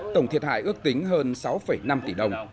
tổng thiệt hại ước tính hơn sáu năm tỷ đồng